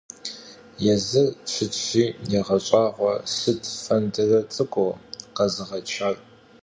Yêzır şıtşi yêğeş'ağue: - Sıt fendıre ts'ık'ur khezığeçar?